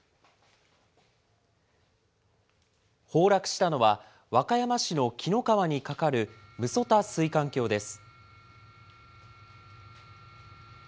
崩落したのは、和歌山市の紀の川に架かる六十谷水管橋です。